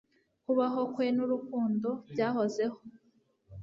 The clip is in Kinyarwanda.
Kubaho kwe nurukundo byahozeho